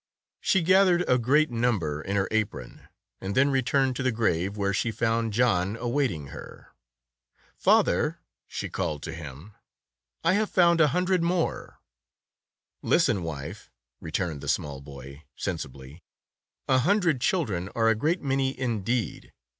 She gathered a great number in her apron, and then returned to the grave, where she found John awaiting her. "Father,'' she called to him, "I have found a hundred more." "Listen, wife," returned the small boy, sensibly, "a hundred children are a great many indeed.